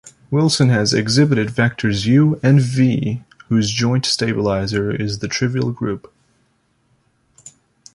Wilson has exhibited vectors "u" and "v" whose joint stabilizer is the trivial group.